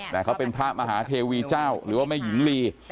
แต่เขาเป็นพระมหาเทวีเจ้าหรือว่าแม่หญิงลี